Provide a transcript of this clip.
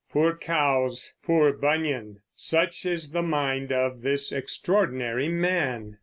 Poor cows, poor Bunyan! Such is the mind of this extraordinary man.